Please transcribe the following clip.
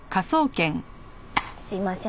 すいません。